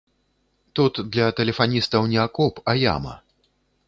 Тут для тэлефаністаў не акоп, а яма.